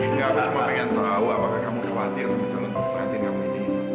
enggak aku cuma pengen tahu apakah kamu khawatir semenjak nanti perantin kamu ini